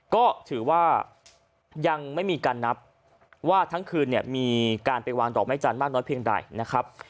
ก็ถือว่ายังไม่มีการนับว่าทั้งคืนเนี่ยมีการไปวางดอกไม้จันทร์มากน้อยเพียงใดนะครับ